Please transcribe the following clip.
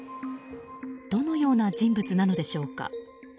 どのような人物なのでしょうか。